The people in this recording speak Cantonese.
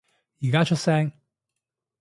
而家出聲